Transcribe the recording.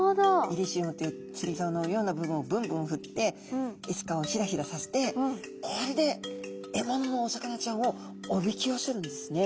イリシウムっていう釣りざおのような部分をブンブンふってエスカをヒラヒラさせてこれで獲物のお魚ちゃんをおびき寄せるんですね。